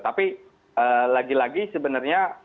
tapi lagi lagi sebenarnya